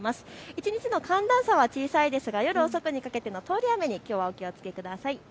一日の寒暖差は小さいですが夜遅くにかけての通り雨にきょうはお気をつけください。